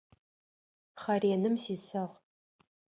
Хъэреным сисыгъ.